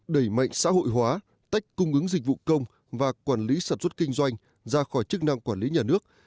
đẩy mạnh xã hội hóa tách cung ứng dịch vụ công và quản lý sản xuất kinh doanh ra khỏi chức năng quản lý nhà nước